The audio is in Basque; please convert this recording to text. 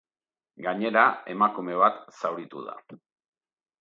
Gainera, emakume bat zauritu da.